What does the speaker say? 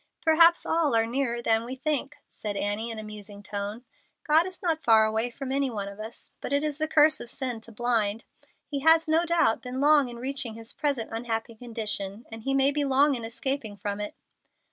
"Perhaps all are nearer than we think," said Annie, in a musing tone. "God is not far from any one of us. But it is the curse of sin to blind. He has, no doubt, been long in reaching his present unhappy condition, and he may be long in escaping from it."